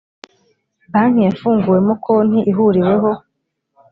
banki yafunguwemo konti ihuriweho